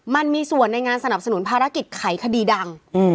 มันมีส่วนในงานสนับสนุนภารกิจไขคดีดัง